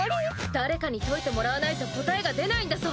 誰かに解いてもらわないと答えが出ないんだぞ！